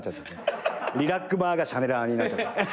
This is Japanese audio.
リラックマーがシャネラーになっちゃった。